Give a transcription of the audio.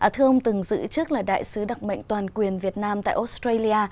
thưa ông từng dự trức là đại sứ đặc mệnh toàn quyền việt nam tại australia